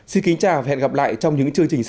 xin kính chào và hẹn gặp lại trong những chương trình sau